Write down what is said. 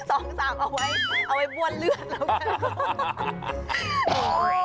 เอาไว้เอาไว้บ้วนเลือดแล้วกัน